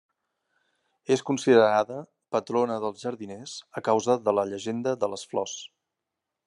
És considerada patrona dels jardiners, a causa de la llegenda de les flors.